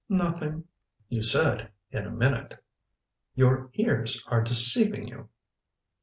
"Nothing." "You said in a minute." "Your ears are deceiving you."